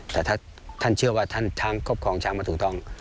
แต่ถ้าท่านเชื่อว่าท่านช้างครอบครองช้างมาถูกต้อง